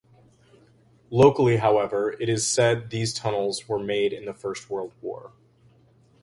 Locally however it is said these tunnels were made in the first world war.